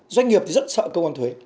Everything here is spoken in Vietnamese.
doanh nghiệp thì rất sợ cơ quan thuế